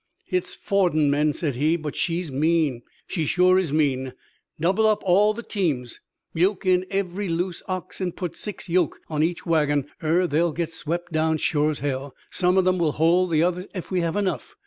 "Hit's fordin' men," said he, "but she's mean, she shore is mean. Double up all the teams, yoke in every loose ox an' put six yoke on each wagon, er they'll get swep' down, shore's hell. Some o' them will hold the others ef we have enough.